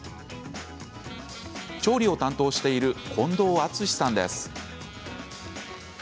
調理を担当している近藤篤史さんです。